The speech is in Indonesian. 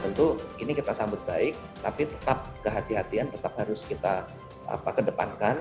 tentu ini kita sambut baik tapi tetap kehatian kehatian tetap harus kita kedepankan